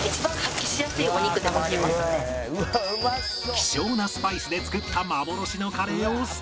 希少なスパイスで作った幻のカレーをスタジオで！